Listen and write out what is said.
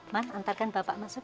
man antarkan bapak masuk